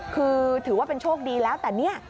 คือถือว่าเป็นโชคดีแล้วแต่เนี่ย